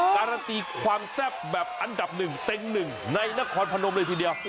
การัตรีความแซ่บแบบอันดับ๑เต็มหนึ่งในนครพระนมทีเดียว